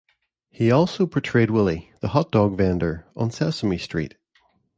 He also portrayed Willy, the hot dog vendor, on "Sesame Street".